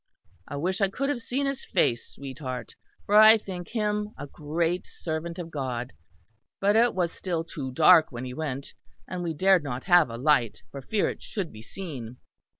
I wish I could have seen his face, sweetheart, for I think him a great servant of God; but it was still too dark when he went, and we dared not have a light for fear it should be seen."